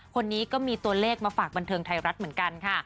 คนนี้ก็มีตัวเลขมาฝากบันเทิงไทยรัฐเหมือนกันค่ะ